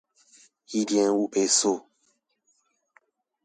一點五倍速